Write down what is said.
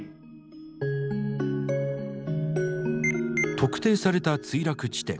特定された墜落地点。